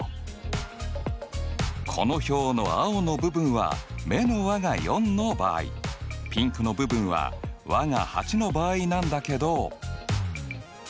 この表の青の部分は目の和が４の場合ピンクの部分は和が８の場合なんだけど。